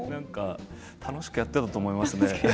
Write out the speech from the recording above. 楽しくやっていたと思いますね